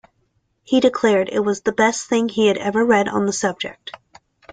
He declared it the best thing he had ever read on the subject.